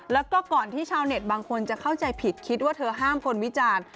แล้วก็ก่อนที่ชาวเน็ตบางคนจะเข้าใจผิดคิดว่าเธอห้ามคนวิจารณ์